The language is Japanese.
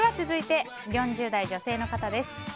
続いて、４０代女性の方。